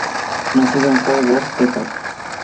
Nacido en Fort Worth, Texas.